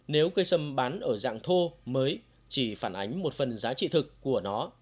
nếu cây sâm bán ở dạng thô mới chỉ phản ánh một phần giá trị thực của nó